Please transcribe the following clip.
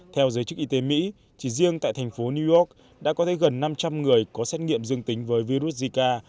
theo giới chức y tế mỹ chỉ riêng tại thành phố new york đã có tới gần năm trăm linh người có xét nghiệm dương tính với virus zika